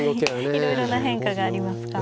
いろいろな変化がありますか。